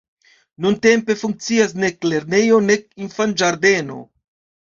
Nuntempe funkcias nek lernejo, nek infanĝardeno.